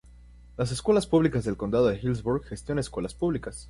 Las Escuelas Públicas del Condado de Hillsborough gestiona escuelas públicas.